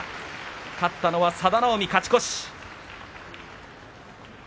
勝ったのは佐田の海、勝ち越し。